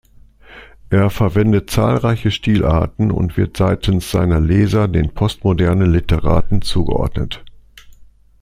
Er verwendet zahlreiche Stilarten und wird seitens seiner Leser den postmodernen Literaten zugeordnet.